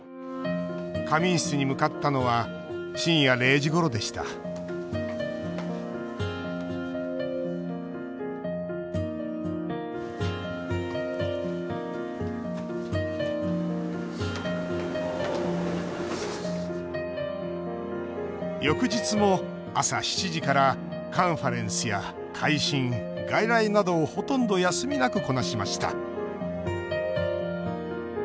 仮眠室に向かったのは深夜０時ごろでした翌日も朝７時からカンファレンスや回診外来などをほとんど休みなくこなしました